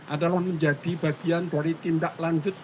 adalah menjadi bagian dari tindaklanjuti